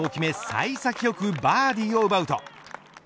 幸先良くバーディーを奪うと。